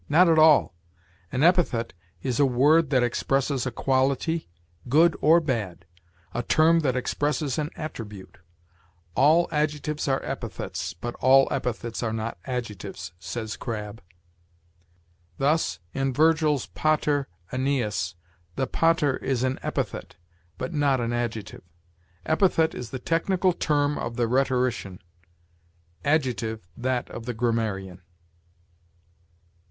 Not at all. An epithet is a word that expresses a quality, good or bad; a term that expresses an attribute. "All adjectives are epithets, but all epithets are not adjectives," says Crabb; "thus, in Virgil's Pater Æneas, the pater is an epithet, but not an adjective." Epithet is the technical term of the rhetorician; adjective, that of the grammarian.